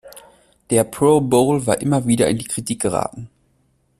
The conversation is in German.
Der Pro Bowl war immer wieder in die Kritik geraten.